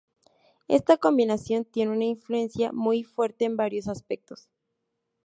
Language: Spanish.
Esta combinación tiene una influencia muy fuerte en varios aspectos.